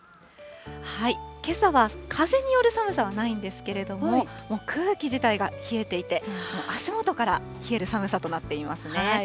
けさは風による寒さはないんですけれども、空気自体が冷えていて、足元から冷える寒さとなっていますね。